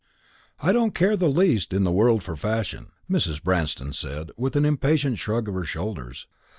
"I don't care the least in the world for fashion," Mrs. Branston said, with an impatient shrug of her shoulders.